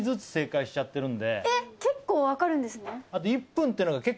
結構分かるんですね。